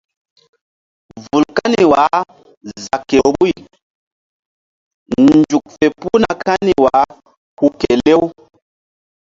Vul kani wah za ke vbuyzuk fe puhna kani wah hu kelew.